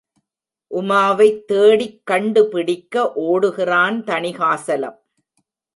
உமாவைத் தேடிக்கண்டுபிடிக்க ஒடுகிறான் Thanikasalam.